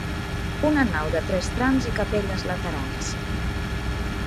Una nau de tres trams i capelles laterals.